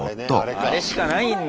あれしかないんだ